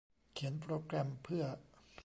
เขียนโปรแกรมเพื่อ